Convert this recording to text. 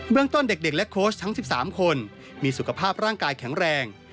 เมืองต้นเด็กและโค้ชทั้ง๑๓คนมีสุขภาพร่างกายแข็งแรง